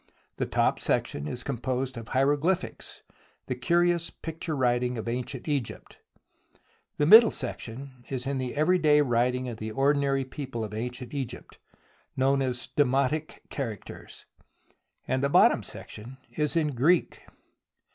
The top section is composed of hierogly phics, the curious picture writing of ancient Egypt, the middle section is in the everyday writing of the ordinary people of ancient Egypt, known as demotic characters, and the bottom section is in Greek.